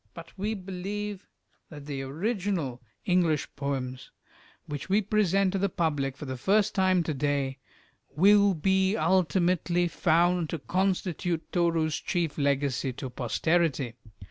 But we believe that the original English poems, which we present to the public for the first time to day, will be ultimately found to constitute Toru's chief legacy to posterity.